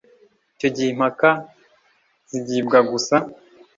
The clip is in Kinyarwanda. icyo gihe impaka zigibwa gusa